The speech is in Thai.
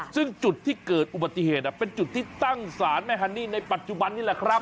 ซึ่งจุดที่เกิดอุบัติเหตุเป็นจุดที่ตั้งศาลแม่ฮันนี่ในปัจจุบันนี่แหละครับ